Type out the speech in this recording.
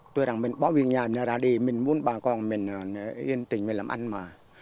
tuy rằng mình bỏ về nhà mình ra đi mình muốn bà con mình yên tĩnh mình làm ăn mà